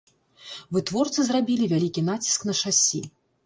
Вытворцы зрабілі вялікі націск на шасі.